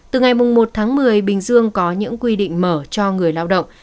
từ ngày một tháng một mươi bình dương có những quy định mở cho người lao động